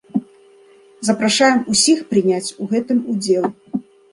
Запрашаем усіх прыняць у гэтым удзел.